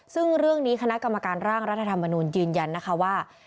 ซึ่งเรื่องนี้คณะกรรมการร่างรัฐธรรมนูลยืนยันนะคะว่า